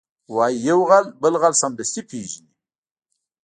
وایي یو غل بل غل سمدستي پېژني